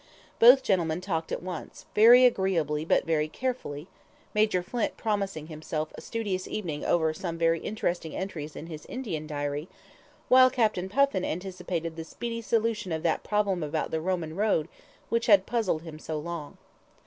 Both gentlemen talked at once, very agreeably but rather carefully, Major Flint promising himself a studious evening over some very interesting entries in his Indian Diary, while Captain Puffin anticipated the speedy solution of that problem about the Roman road which had puzzled him so long.